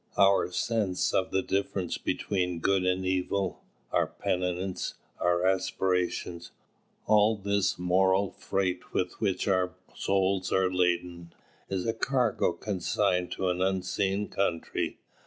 Our sense of the difference between good and evil, our penitence, our aspiration, all this moral freight with which our souls are laden, is a cargo consigned to an unseen country.